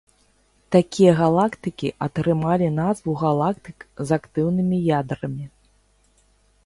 Такія галактыкі атрымалі назву галактык з актыўнымі ядрамі.